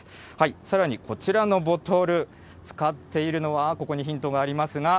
さらにこちらのボトル、使っているのは、ここにヒントがありますが。